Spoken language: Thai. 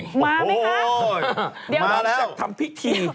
โอ้โฮมาแล้วเดี๋ยวเราจะทำพิธี